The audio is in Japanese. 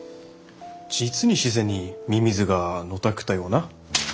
実に自然にミミズがのたくったような。